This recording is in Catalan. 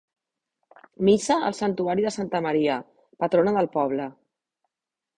Missa al santuari de Santa Maria, patrona del poble.